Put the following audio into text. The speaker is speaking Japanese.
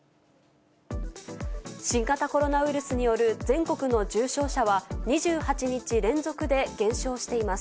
新型コロナウイルスによる全国の重症者は、２８日連続で減少しています。